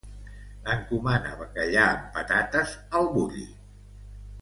Encomana bacallà amb patates al Bulli.